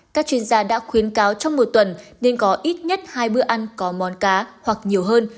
các chuyên gia đã khuyến cáo trong một tuần nên có ít nhất hai bữa ăn có món cá hoặc nhiều hơn